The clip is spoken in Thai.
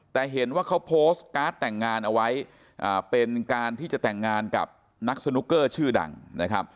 แต่เห็นว่าเขาโพสต์การ์ดแต่งงานเอาไว้เป็นการที่จะแต่งงานกับนักสนุกเกอร์ชื่อดังนะครับ